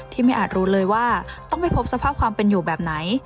ไม่อาจรู้เลยว่าต้องไปพบสภาพความเป็นอยู่แบบไหน